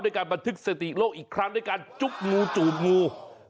การบันทึกสติโลกอีกครั้งด้วยการจุ๊กงูจูบงู